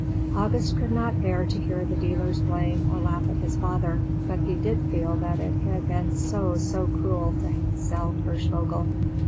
August could not bear to hear the dealers blame or laugh at his father, but he did feel that it had been so, so cruel to sell Hirschvogel.